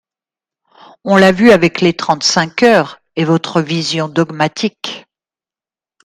On l’a vu avec les trente-cinq heures et votre vision dogmatique.